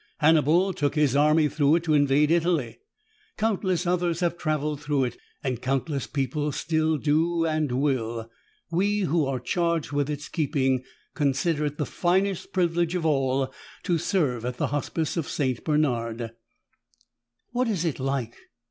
Hannibal took his army through it to invade Italy. Countless others have traveled through it, and countless people still do and will. We who are charged with its keeping consider it the finest privilege of all to serve at the Hospice of St. Bernard." "What is it like?"